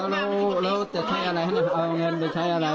ก็จองกะถิ่นแล้วกะถิ่นเงินล้าน